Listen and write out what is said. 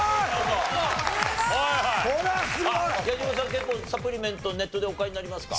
結構サプリメントはネットでお買いになりますか？